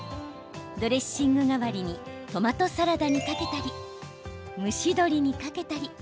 ドレッシング代わりにトマトサラダにかけたり蒸し鶏にかけたり。